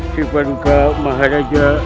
si paduka maharaja